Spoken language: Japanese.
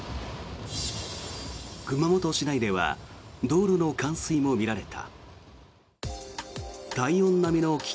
熊本市内では道路の冠水も見られた。